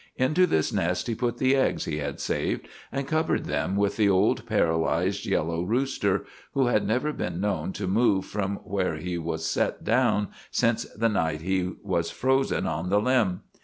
Into this nest he put the eggs he had saved, and covered them with the old paralyzed yellow rooster, who had never been known to move from where he was set down since the night he was frozen on the limb.